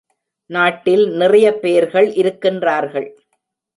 நாட்டில் நிறைய பேர்கள் இருக்கின்றார்கள்.